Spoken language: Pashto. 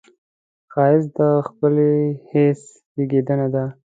ښایست د ښکلي حس زېږنده ده